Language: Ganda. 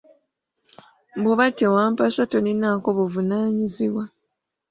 Bw'oba tewampasa tonninaako buvunaanyizibwa.